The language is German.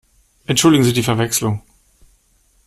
Entschuldigen Sie die Verwechslung!